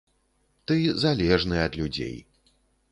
Ты залежны ад людзей.